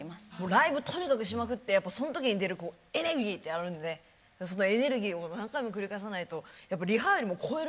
ライブとにかくしまくってそん時に出るエネルギーってあるのでそのエネルギーを何回も繰り返さないとやっぱリハよりも超えるんでね